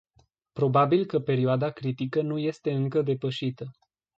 Probabil că perioada critică nu este încă depășită.